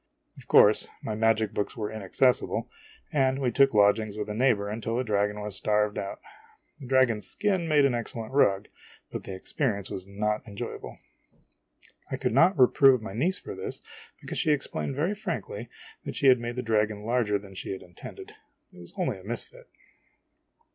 Of course my magic books \vere inaccessible, and we took lodgings with a neighbor until the dragon was starved out. The dragon's skin made an excellent rug, but the experience was not enjoyable. I could not reprove my niece for this, because she ex plained very frankly that she had made the dragon larger than she intended ; it was only a misfit.